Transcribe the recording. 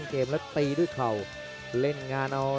กันต่อแพทย์จินดอร์